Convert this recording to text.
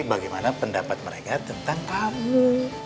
bagaimana pendapat mereka tentang kamu